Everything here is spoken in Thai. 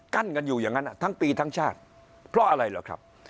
กันอยู่อย่างนั้นทั้งปีทั้งชาติเพราะอะไรเหรอครับ